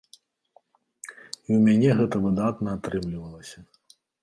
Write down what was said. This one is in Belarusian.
І ў мяне гэта выдатна атрымлівалася.